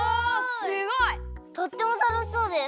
すごい！とってもたのしそうです。